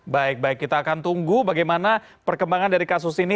baik baik kita akan tunggu bagaimana perkembangan dari kasus ini